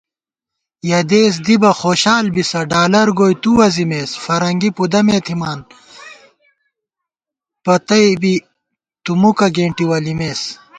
یَہ دېس دِبہ خوشال بِسہ ڈالرگوئی تُو وَزِمېس * فرنگی پُدَمےتھِمان پتئبی تُومُکہ گېنٹی ولِمېس